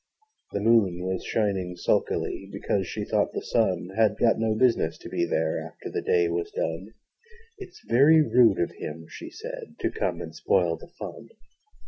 The moon was shining sulkily, Because she thought the sun Had got no business to be there After the day was done 'It's very rude of him.' she said, 'To come and spoil the fun!'